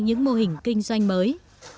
những mô hình kinh doanh mới